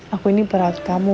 aku ini perawat kamu